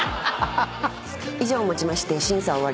以上をもちまして審査は終わりです。